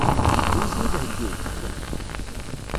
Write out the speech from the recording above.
Ad iyi-ten-id-heggint?